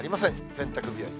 洗濯日和。